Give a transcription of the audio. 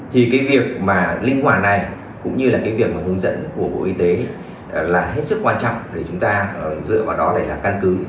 thì cái việc mà linh hoạt này cũng như là cái việc mà hướng dẫn của bộ y tế là hết sức quan trọng để chúng ta dựa vào đó để là căn cứ